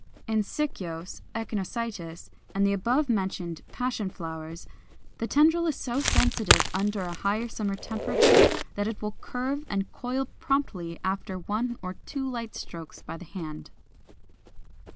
In Sicyos, Echinocystis, and the above mentioned Passion flowers (471), the tendril is so sensitive, under a high summer temperature, that it will curve and coil promptly after one or two light strokes by the hand.